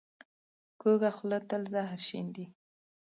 کوږه خوله تل زهر شیندي